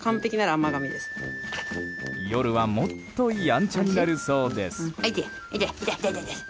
夜はもっとやんちゃになるそうです。